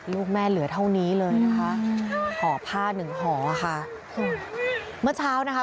ลูกแม่เหลือเท่านี้เลยนะคะห่อผ้าหนึ่งห่อค่ะเมื่อเช้านะคะ